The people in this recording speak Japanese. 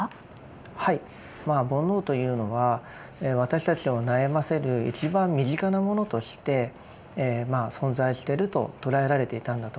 煩悩というのは私たちを悩ませる一番身近なものとして存在してると捉えられていたんだと思います。